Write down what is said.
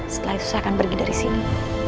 setelah itu saya akan pergi dari sini